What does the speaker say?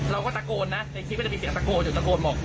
เราก็ตะโกนนะในคลิปก็จะมีเสียงตะโกนอยู่ตะโกนบอก